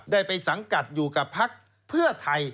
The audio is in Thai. ได้ไปสังกัดอยู่กับพักเพื่อไทย